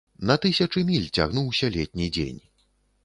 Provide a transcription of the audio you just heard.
На тысячы міль цягнуўся летні дзень.